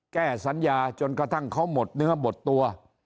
แก้สัญญาจนกระทั่งเขาหมดเนื้อหมดตัว